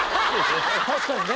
確かにね。